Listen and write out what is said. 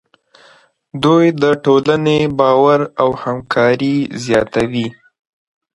دوی د ټولنې باور او همکاري زیاتوي.